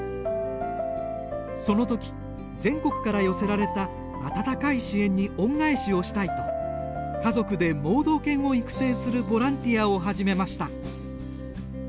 そのとき、全国から寄せられた温かい支援に恩返しをしたいと家族で盲導犬を育成するボランティアを始めました。